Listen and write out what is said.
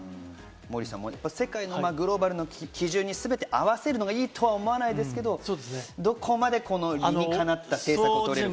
モーリーさん、世界のグローバルの基準にすべて合わせるのがいいと思わないですけど、どこまで理にかなった政策を取れるか。